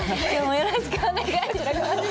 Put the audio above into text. よろしくお願いします。